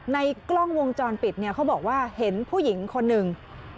ในกล้องวงจรปิดเนี่ยเขาบอกว่าเห็นผู้หญิงคนหนึ่ง